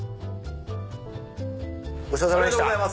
ごちそうさまでした。